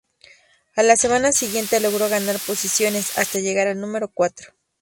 A la semana siguiente, logró ganar posiciones, hasta llegar al número cuatro.